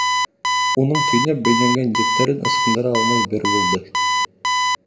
Уның төйнәп бәйләнгән ептәрен ысҡындыра алмай бер булды.